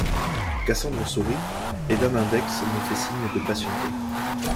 Cassandre sourit, et d’un index me fait signe de patienter.